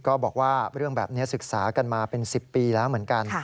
ก็บอกว่าเรื่องแบบนี้ศึกษากันมาเป็น๑๐ปีแล้วเหมือนกัน